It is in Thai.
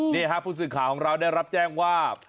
นี่ภูมิสื่อขาของเราได้รับแจ้งว่า